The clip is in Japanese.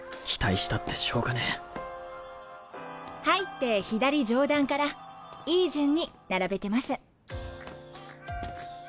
入って左上段からいい順に並べてます。